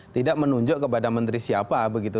tidak menunjuk kepada menteri siapa begitu